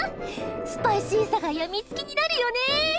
スパイシーさが病みつきになるよね。